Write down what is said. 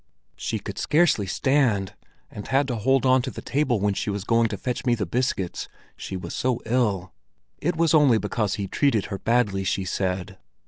"… She could scarcely stand, and had to hold on to the table when she was going to fetch me the biscuits, she was so ill. It was only because he'd treated her badly, she said.